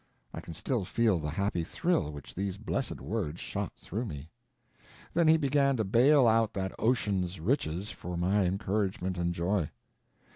I can still feel the happy thrill which these blessed words shot through me. Then he began to bail out that ocean's riches for my encouragement and joy.